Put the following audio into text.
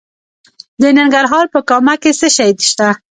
د ننګرهار په کامه کې څه شی شته؟